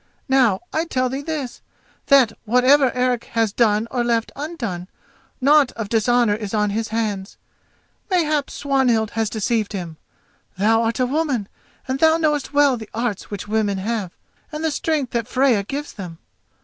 Now I tell thee this, that, whatever Eric has done or left undone, naught of dishonour is on his hands. Mayhap Swanhild has deceived him—thou art a woman, and thou knowest well the arts which women have, and the strength that Freya gives them.